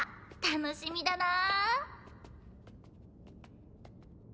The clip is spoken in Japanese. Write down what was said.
楽しみだな！